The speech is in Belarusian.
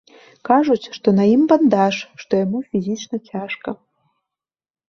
Кажуць, што на ім бандаж, што яму фізічна цяжка.